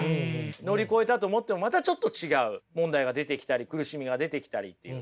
乗り越えたと思ってもまたちょっと違う問題が出てきたり苦しみが出てきたりっていう。